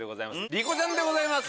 莉子ちゃんでございます。